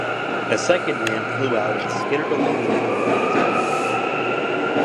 A second man flew out and skittered along the floor on his back.